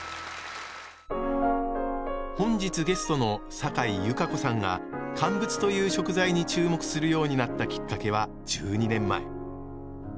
本日ゲストのサカイ優佳子さんが「乾物」という食材に注目するようになったきっかけは１２年前。